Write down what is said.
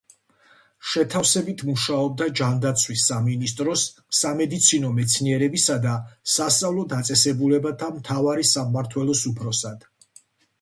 შეთავსებით მუშაობდა ჯანდაცვის სამინისტროს სამედიცინო მეცნიერებისა და სასწავლო დაწესებულებათა მთავარი სამმართველოს უფროსად.